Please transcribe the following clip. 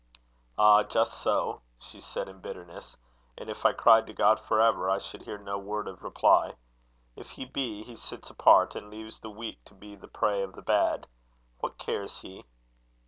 "Ah! just so!" she said, in bitterness. "And if I cried to God for ever, I should hear no word of reply. If he be, he sits apart, and leaves the weak to be the prey of the bad. What cares he?"